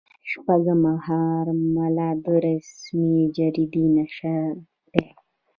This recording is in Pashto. شپږمه مرحله د رسمي جریدې نشر دی.